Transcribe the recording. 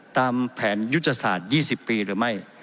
ตามแผนยุทธศาสตร์๒๐ปีหรือไม่